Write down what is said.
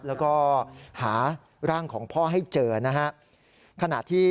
แล้วก็หารางของพ่อให้เจอนะครับ